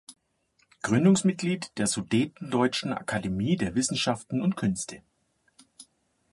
Gründungsmitglied der Sudetendeutschen Akademie der Wissenschaften und Künste.